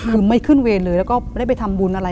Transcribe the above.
คือไม่ขึ้นเวรเลยแล้วก็ไม่ได้ไปทำบุญอะไร